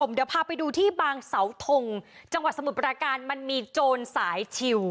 เดี๋ยวพาไปดูที่บางเสาทงจังหวัดสมุทรปราการมันมีโจรสายชิว